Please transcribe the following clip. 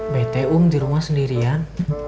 bt um di rumah sendirian